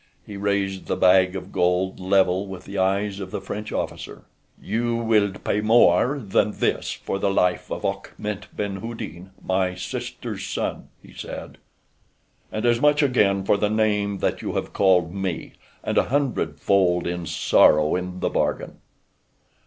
He raised the bag of gold level with the eyes of the French officer. "You will pay more than this for the life of Achmet ben Houdin, my sister's son," he said. "And as much again for the name that you have called me and a hundred fold in sorrow in the bargain."